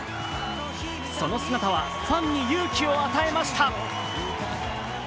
その姿はファンに勇気を与えました。